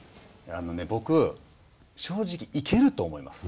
あのね僕正直行けると思います。